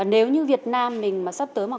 nếu như việt nam mình sắp tới